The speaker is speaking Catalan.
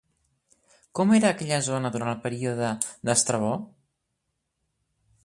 Com era aquella zona durant el període d'Estrabó?